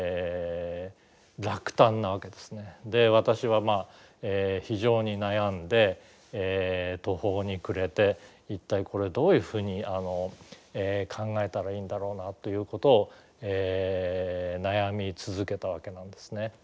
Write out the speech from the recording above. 私は非常に悩んで途方に暮れて一体これどういうふうに考えたらいいんだろうなということを悩み続けたわけなんですね。